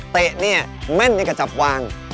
เตะเนี่ยแม่นในกระจับวาง